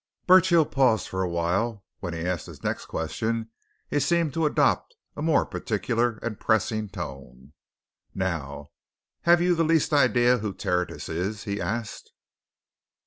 Burchill paused for a while; when he asked his next question he seemed to adopt a more particular and pressing tone. "Now have you the least idea who Tertius is?" he asked.